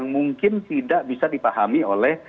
mungkin tidak bisa dipahami oleh